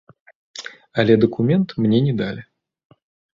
Але дакумент мне не далі.